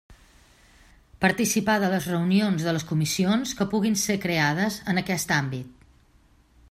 Participar de les reunions de les comissions que puguin ser creades en aquest àmbit.